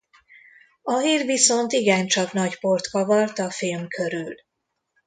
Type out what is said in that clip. A hír viszont igencsak nagy port kavart a film körül.